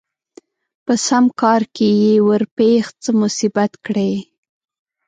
په سم کار کې يې ورپېښ څه مصيبت کړي